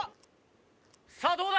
さあどうだ？